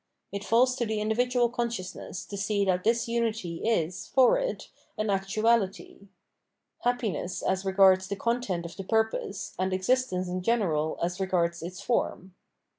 It falls to the individual consciousness to see that this unity is, for it, an actu ahty :— ^happiness as regards the content of the purpose, and existence in general as regards its form.